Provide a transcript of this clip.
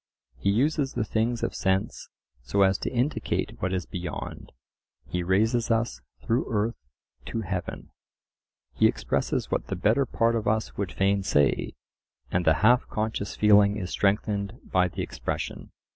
He uses the things of sense so as to indicate what is beyond; he raises us through earth to heaven. He expresses what the better part of us would fain say, and the half conscious feeling is strengthened by the expression.